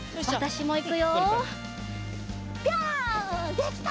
できた！